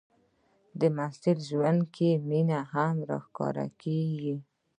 د محصل ژوند کې مینه هم راښکاره کېږي.